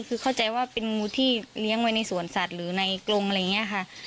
คือเข้าใจว่าเป็นงูที่เลี้ยงไว้ในสวนสัตว์หรือในกรงอะไรอย่างนี้ค่ะ